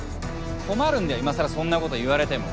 困るんだよ今更そんなこと言われても。